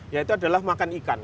yaitu adalah makan ikan